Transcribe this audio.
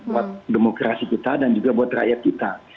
buat demokrasi kita dan juga buat rakyat kita